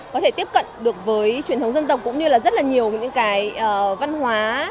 có thể tiếp cận được với truyền thống dân tộc cũng như là rất là nhiều những cái văn hóa